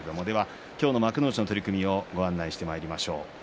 今日の幕内の取組をご案内してまいります。